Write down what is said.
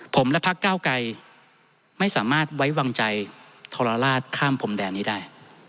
ผมและพักเก้าไกรไม่สามารถไว้วางใจทรลาศข้ามพรมแดนนี้ได้